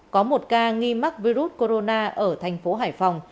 có một ca nghi mắc virus corona ở thành phố hải phòng